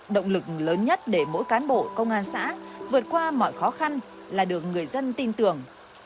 động lực lớn nhất để mỗi cán bộ công an xã vượt qua mọi khó khăn là được người dân tin tưởng